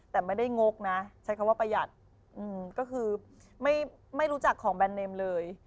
แต่ไม่ได้งกนะใช้คำว่าประหยัดก็คือไม่รู้จักของแบรนดเนมเลย